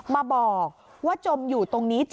มาบอกว่าจมอยู่ตรงนี้